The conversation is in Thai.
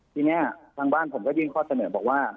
ทีนี้ทางบ้านผมก็ยื่นข้อเสนอบอกว่า